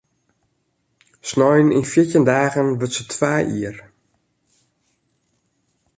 Snein yn fjirtjin dagen wurdt se twa jier.